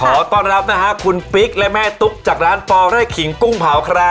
ขอต้อนรับนะฮะคุณปิ๊กและแม่ตุ๊กจากร้านปอไร่ขิงกุ้งเผาครับ